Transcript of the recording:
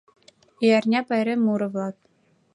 ӰЯРНЯ ПАЙРЕМ МУРО-ВЛАК.